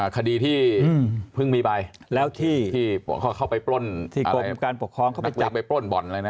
คดีที่เพิ่งมีไปแล้วที่เข้าไปปล้นบ่อนอะไรนะ